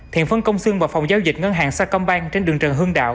thiện phân công sương vào phòng giao dịch ngân hàng sa công bang trên đường trần hương đạo